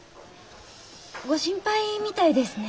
ご心配みたいですね